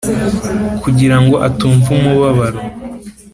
kugira ngo atumva umubabaro